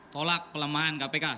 tolak pelemahan kpk